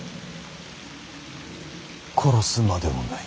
殺すまでもない。